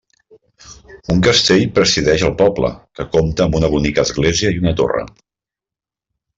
Un castell presideix el poble, que compta amb una bonica església i una torre.